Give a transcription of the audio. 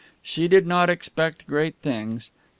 She did not expect great things.